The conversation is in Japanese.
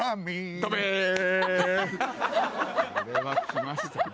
これはきましたね